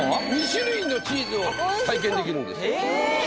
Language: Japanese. ２種類のチーズを体験できるんですえ